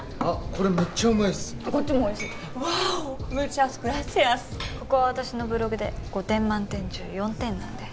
ここは私のブログで５点満点中４点なんで。